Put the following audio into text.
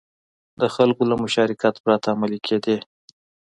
د خلکو له مشارکت پرته عملي کېدې.